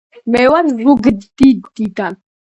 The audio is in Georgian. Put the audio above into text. მე ვარ ზუგდიდიდან